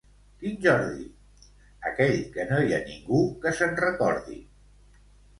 —Quin Jordi? —Aquell que no hi ha ningú que se'n recordi!